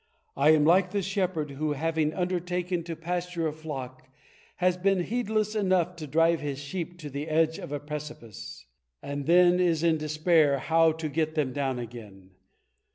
I am like the shepherd who, having undertaken to pasture a flock, has been heedless enough to drive his sheep to the edge of a precipice, and then is in a despair how to get them down again.